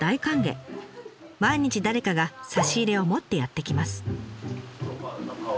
毎日誰かが差し入れを持ってやって来ます。